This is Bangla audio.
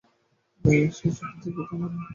সে ছোট থেকে, তোমার একটু হাসি দেখার জন্য আকুল ছিলো।